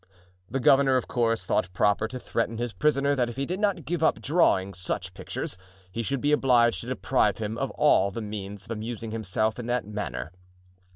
The governor, of course, thought proper to threaten his prisoner that if he did not give up drawing such pictures he should be obliged to deprive him of all the means of amusing himself in that manner.